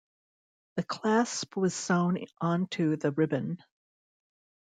The clasp was sewn onto the ribbon.